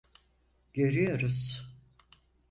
Görüyoruz.